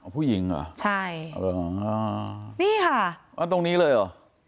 ผู้หญิงเหรอใช่เออนี่ค่ะตรงนี้เลยเหรอ